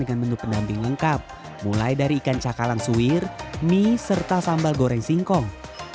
dengan menu pendamping lengkap mulai dari ikan cakalang suwir mie serta sambal goreng singkong